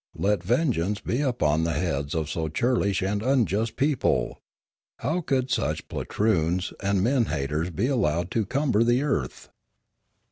Let vengeance be upon the heads of so churlish and unjust a people! How could such poltroons and men haters be allowed to cumber the earth